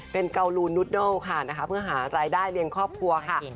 เป็นเกาลูนนุดเิลค่ะนะคะเพื่อหารายได้เลี้ยงครอบครัวค่ะ